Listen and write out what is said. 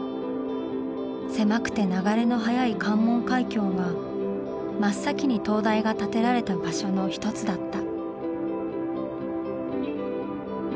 狭くて流れの速い関門海峡は真っ先に灯台が建てられた場所の一つだった。